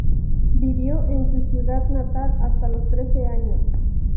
Vivió en su ciudad natal hasta los trece años.